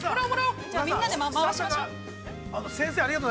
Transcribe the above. ◆みんなで回しましょう。